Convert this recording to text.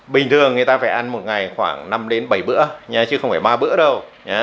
bình thường người ta phải ăn một ngày khoảng năm đến bảy bữa chứ không phải ba bữa đầu